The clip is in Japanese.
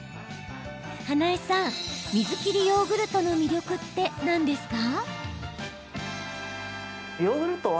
花映さん水切りヨーグルトの魅力って何ですか？